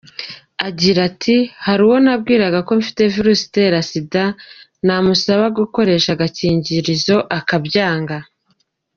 Yagize ati “Hari uwo nabwiraga ko mfite Virusi itera Sida, namusaba gukoresha agakingirizo akabyanga.